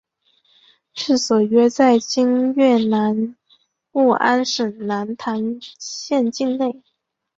治所约在今越南乂安省南坛县境内。